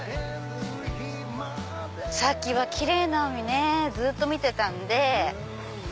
さっきはキレイな海ずっと見てたんで。